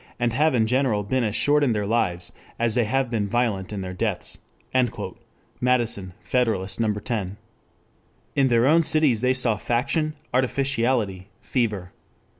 and have in general been as short in their lives as they have been violent in their deaths." Madison, Federalist, No. 10.] In their own cities they saw faction, artificiality, fever.